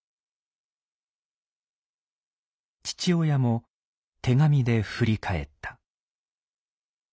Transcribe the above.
父親も手紙で振り返った。